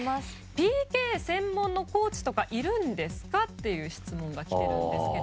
ＰＫ専門のコーチとかいるんですか？という質問がきているんですけど。